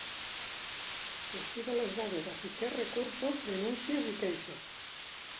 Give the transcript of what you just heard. Destí de les dades a fitxer recursos, denuncies i queixes.